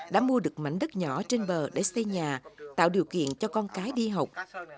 đã mua được mảnh đất nhỏ trên bờ để xây nhà tạo điều kiện cho con cái đi học